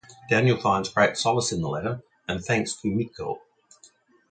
Daniel finds great solace in the letter and thanks Kumiko.